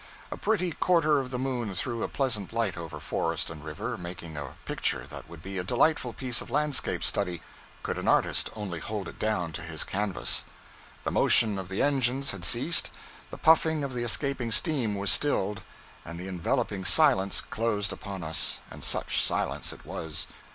A pretty quarter of the moon threw a pleasant light over forest and river, making a picture that would be a delightful piece of landscape study, could an artist only hold it down to his canvas. The motion of the engines had ceased, the puffing of the escaping steam was stilled, and the enveloping silence closed upon us, and such silence it was!